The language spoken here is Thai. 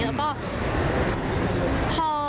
แล้วก็